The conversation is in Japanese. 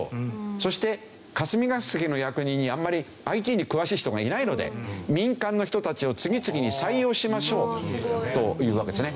そして霞が関の役人にあまりＩＴに詳しい人がいないので民間の人たちを次々に採用しましょうというわけですね。